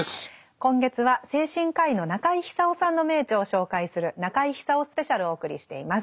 今月は精神科医の中井久夫さんの名著を紹介する「中井久夫スペシャル」をお送りしています。